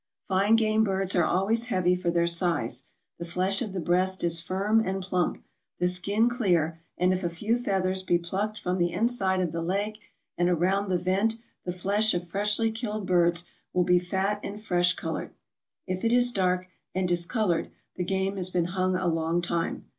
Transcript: = Fine game birds are always heavy for their size; the flesh of the breast is firm and plump, the skin clear; and if a few feathers be plucked from the inside of the leg and around the vent, the flesh of freshly killed birds will be fat and fresh colored; if it is dark, and discolored, the game has been hung a long time.